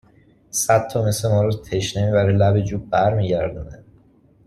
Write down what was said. صد تا مث مارو تشنه می بره لب جوب بر میگردونه